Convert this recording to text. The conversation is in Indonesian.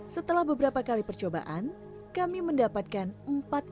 setelah beberapa kali percobaan kami mendapatkan empat ikan